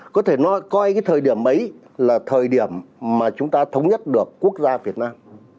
có thể nói coi cái thời điểm ấy là thời điểm mà chúng ta thống nhất được quốc gia việt nam